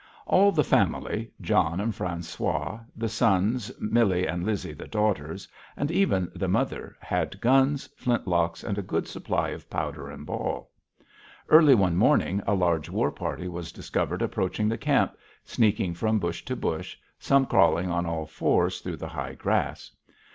All the family John and François, the sons, Millie and Lizzie, the daughters and even the mother had guns, flintlocks, and a good supply of powder and ball. Early one morning a large war party was discovered approaching the camp, sneaking from bush to bush, some crawling on all fours through the high grass.